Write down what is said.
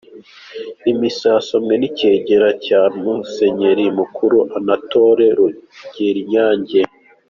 Imisa yasomwe n"icegera ca Musenyeri mukuru Anatole Rugerinyange.